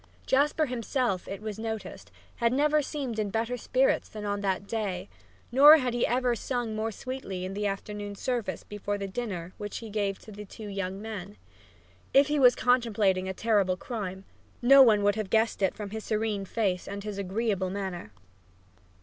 Jasper himself, it was noticed, had never seemed in better spirits than on that day, nor had he ever sung more sweetly than in the afternoon service before the dinner which he gave to the two young men. If he was contemplating a terrible crime, no one would have guessed it from his serene face and his agreeable manner.